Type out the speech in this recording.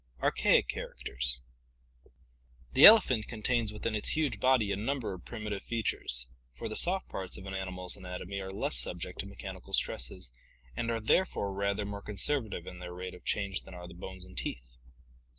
Archaic Characters The elephant contains within its huge body a number of primi tive features, for the soft parts of an animal's anatomy are less subject to mechanical stresses and are therefore rather more con servative in their rate of change than are the bones and teeth.